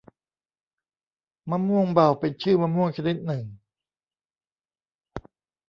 มะม่วงเบา เป็นชื่อมะม่วงชนิดหนึ่ง